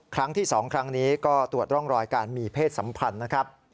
ครั้งที่๒ครั้งนี้ก็ตรวจร่องรอยการมีเพศสัมพันธ์นะครับ